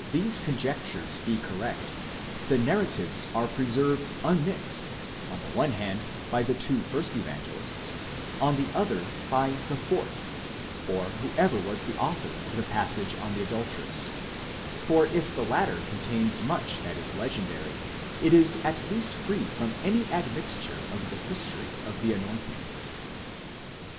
41|: conjectures be correct, the narratives are preserved unmixed, on the one hand, by the two first Evangelists ; on the other, by the fourth, or whoever was the author of the passage on the adulteress ; for if the latter contains much that is legendary, it is at least free from any admixture of the history of the anointing.